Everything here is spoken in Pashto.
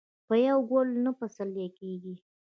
په یو ګل نه پسرلې کیږي.